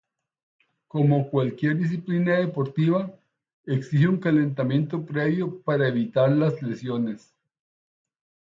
Como cualquier disciplina deportiva, exige un calentamiento previo para evitar las lesiones.